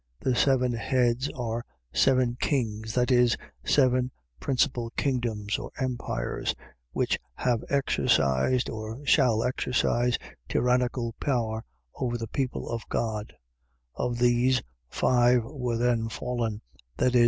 The seven heads are seven kings, that is, seven principal kingdoms or empires, which have exercised, or shall exercise, tyrannical power over the people of God; of these, five were then fallen, viz.